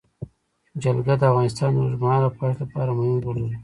جلګه د افغانستان د اوږدمهاله پایښت لپاره مهم رول لري.